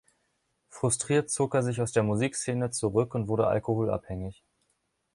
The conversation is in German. Frustriert zog er sich aus der Musikszene zurück und wurde alkoholabhängig.